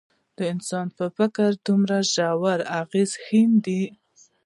د انسان په فکر دومره ژور اغېز ښندي.